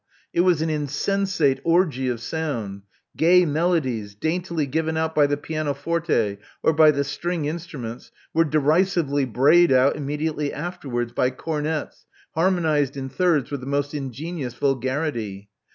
It was an insensate orgie of sound. Gay melodies, daintily given out by the pianoforte, or by the string instruments, were derisively brayed out immediately afterwards by comets, harmonized in thirds with the most ingenious vulgarity.